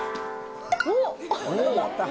おっ！